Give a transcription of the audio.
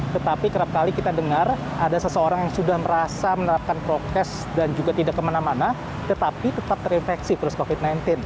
tetapi kerap kali kita dengar ada seseorang yang sudah merasa menerapkan prokes dan juga tidak kemana mana tetapi tetap terinfeksi virus covid sembilan belas